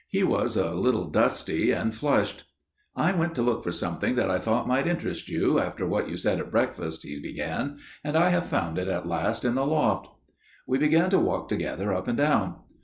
He was a little dusty and flushed. "I went to look for something that I thought might interest you, after what you said at breakfast," he began, "and I have found it at last in the loft." We began to walk together up and down.